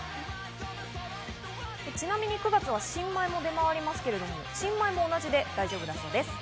ちなみに９月は新米も出回りますけど、新米も同じで大丈夫だそうです。